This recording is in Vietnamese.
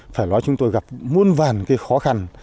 phải nói chúng tôi gặp muôn vàn cái khó khăn